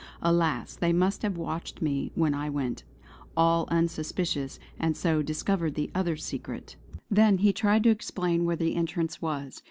Alas! they must have watched me when I went, all unsuspicious; and so discovered the other secret." Then he tried to explain where the entrance was.